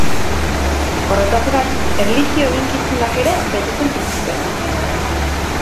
Horretaz gain, erlijio eginkizunak ere betetzen zituzten.